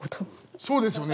そうですね。